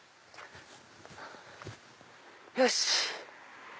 よし！